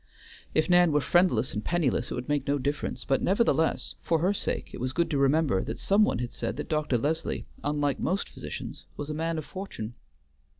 If Nan were friendless and penniless it would make no difference; but nevertheless, for her sake, it was good to remember that some one had said that Dr. Leslie, unlike most physicians, was a man of fortune.